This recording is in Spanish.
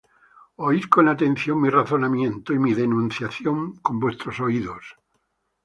Oid con atención mi razonamiento, Y mi denunciación con vuestros oídos.